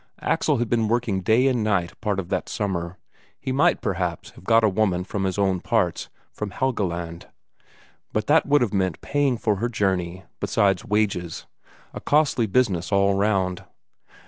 Axel had been working day and night part of that summer. He might, perhaps, have got a woman from his own parts, from Helgeland, but that would have meant paying for her journey, besides wages. A costly business all round.